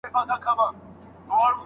د شته من په کور کي غم دوی ته مېله وه